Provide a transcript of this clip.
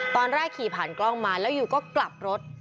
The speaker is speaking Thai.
ตอนแรกขี่ผ่านกล้องมาแล้วอยู่ก็กลับรถ